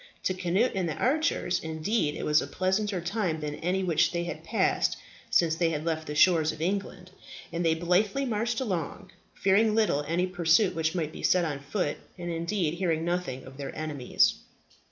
To Cnut and the archers, indeed, it was a pleasanter time than any which they had passed since they had left the shores of England, and they blithely marched along, fearing little any pursuit which might be set on foot, and, indeed, hearing nothing of their enemies.